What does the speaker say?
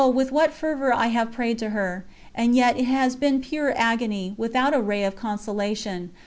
with what fervour I have prayed to her! ... And yet it has been pure agony, without a ray of consolation.